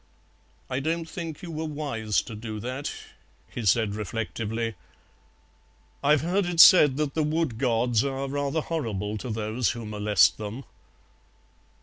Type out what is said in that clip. "I don't think you were wise to do that," he said reflectively. "I've heard it said that the Wood Gods are rather horrible to those who molest them."